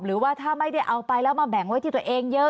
หรือว่าถ้าไม่ได้เอาไปแล้วมาแบ่งไว้ที่ตัวเองเยอะ